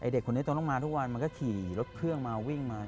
เด็กคนนี้จนต้องมาทุกวันมันก็ขี่รถเครื่องมาวิ่งมา